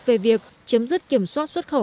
về việc chấm dứt kiểm soát xuất khẩu